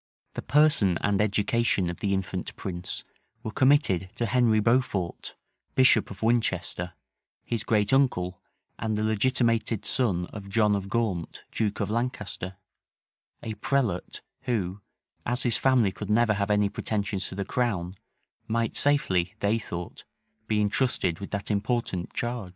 [] The person and education of the infant prince were committed to Henry Beaufort, bishop of Winchester, his great uncle, and the legitimated son of John of Gaunt, duke of Lancaster; a prelate who, as his family could never have any pretensions to the crown, might safely, they thought, be intrusted with that important charge.